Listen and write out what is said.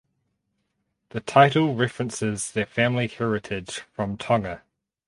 The title references their family heritage from Tonga.